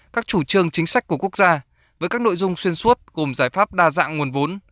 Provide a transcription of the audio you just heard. các chủ trương chính sách của quốc gia với các nội dung xuyên suốt gồm giải pháp đa dạng nguồn vốn